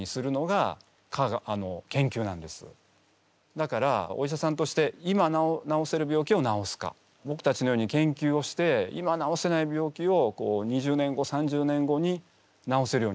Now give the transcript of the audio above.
だからお医者さんとして今治せる病気を治すかぼくたちのように研究をして今治せない病気を２０年後３０年後に治せるようにするか両方すごい大切で。